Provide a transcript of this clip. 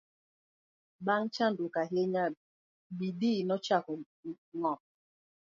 bang' chandruok ahinya, Bidii nochako ng'ok